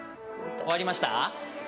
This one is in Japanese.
終わりました？